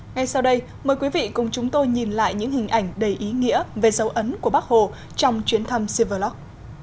ngay sau đây mời quý vị cùng chúng tôi nhìn lại những hình ảnh đầy ý nghĩa về dấu ấn của bác hồ trong chuyến thăm sivalok